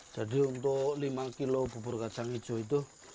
jadi untuk lima kilo bubur kacang hijau itu